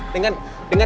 dengan kamu bu dewi